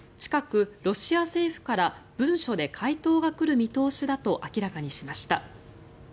近くロシア政府から文書で回答が来る見通しだと明らかにしました。